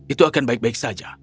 itu akan baik baik saja